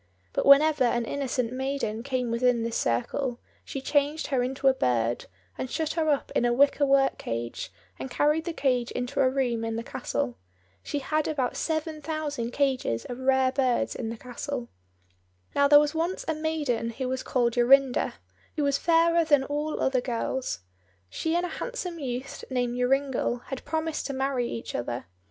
But whenever an innocent maiden came within this circle, she changed her into a bird, and shut her up in a wicker work cage, and carried the cage into a room in the castle. She had about seven thousand cages of rare birds in the castle. Now, there was once a maiden who was called Jorinda, who was fairer than all other girls. She and a handsome youth named Joringel had promised to marry each other.